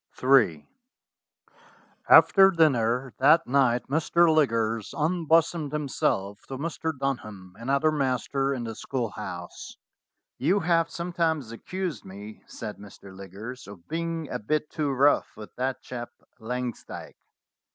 in AFTER dinner that night Mr. Liggers unbosomed him self to Mr. Dunham, another master, in the school house. "You have sometimes accused me," said Mr. Lig gers, "of being a bit too rough with that chap Langs dyke."